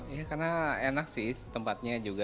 ya karena enak sih tempatnya juga